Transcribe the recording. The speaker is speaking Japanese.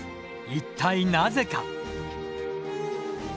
一体なぜか？